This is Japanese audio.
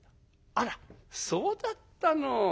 「あらそうだったの。